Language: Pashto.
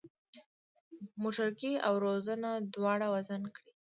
موټرګی او وزنه دواړه وزن کړئ.